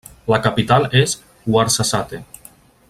La capital és Ouarzazate.